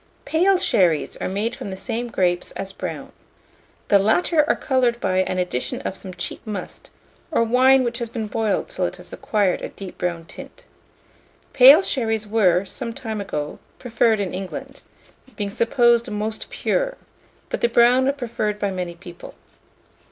PALE SHERRIES are made from the same grapes as brown. The latter are coloured by an addition of some cheap must, or wine which has been boiled till it has acquired a deep brown tint. Pale sherries were, some time ago, preferred in England, being supposed most pure; but the brown are preferred by many people.